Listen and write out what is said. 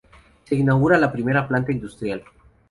Se inaugura la primera planta industrial.